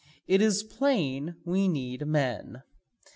It is plain we need men.